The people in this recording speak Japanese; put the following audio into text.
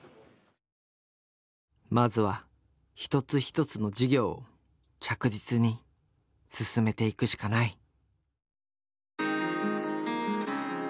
まずは一つ一つの事業を着実に進めていくしかない。